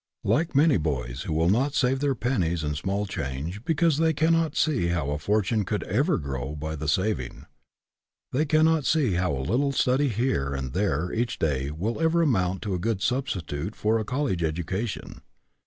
Like many boys who will not save their pennies and small change because they cannot see how a fortune could ever grow by the saving, they cannot see how a little studying here and there each day will ever amount to a good substitute for i a college education.